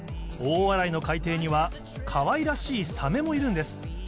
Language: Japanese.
大洗の海底には、かわいらしいサメもいるんです。